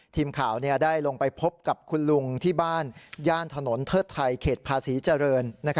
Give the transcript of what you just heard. ทีมข่าวได้ลงไปพบกับคุณลุงที่บ้านย่านถนนเทิดไทยเขตภาษีเจริญ